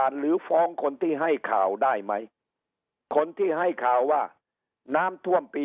ช่วงก่อนหน้านี้